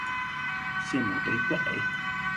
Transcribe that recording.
Che moto ipya’e.